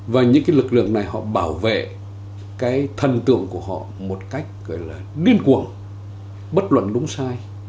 và những cái lực lượng này họ bảo vệ cái thần tượng của họ một cách gọi là điên cuồng bất luận đúng sai